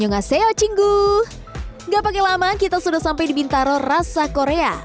halo cingu gak pake lama kita sudah sampai di bintaro rasa korea